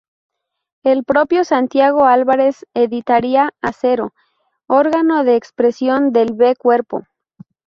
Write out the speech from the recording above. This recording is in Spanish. El propio Santiago Álvarez editaría "Acero", órgano de expresión del V Cuerpo.